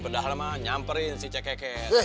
pedah lama nyamperin si cekeket